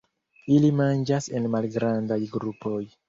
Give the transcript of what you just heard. Ili manĝas en malgrandaj grupoj.